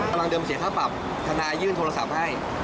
กำลังเดิมเสียค่าปรับทนายยื่นโทรศัพท์ให้